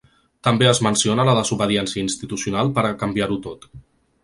També es menciona la desobediència institucional per a ‘canviar-ho tot’.